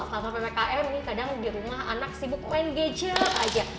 selama ppkm ini kadang di rumah anak sibuk main gadget aja